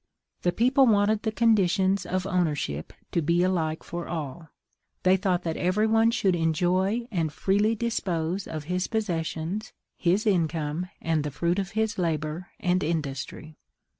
The people wanted the conditions of OWNERSHIP to be alike for all; they thought that every one should ENJOY AND FREELY DISPOSE OF HIS POSSESSIONS HIS INCOME AND THE FRUIT OF HIS LABOR AND INDUSTRY.